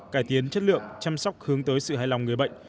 cải tiến chất lượng chăm sóc hướng tới sự hài lòng người bệnh